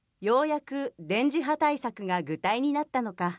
ようやく電磁波対策が具体になったのか。